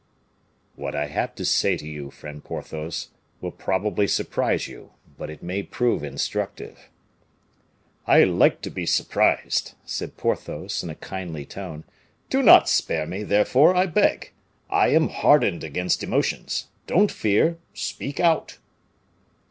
"What I have to say to you, friend Porthos, will probably surprise you, but it may prove instructive." "I like to be surprised," said Porthos, in a kindly tone; "do not spare me, therefore, I beg. I am hardened against emotions; don't fear, speak out."